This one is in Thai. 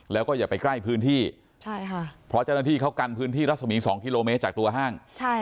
แล้วก็อย่าไปใกล้พื้นที่ใช่ค่ะเพราะเจ้าหน้าที่เขากันพื้นที่รัศมี๒กิโลเมตรจากตัวห้าง